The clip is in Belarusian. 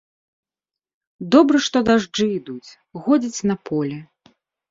Добра, што дажджы ідуць, годзіць на поле.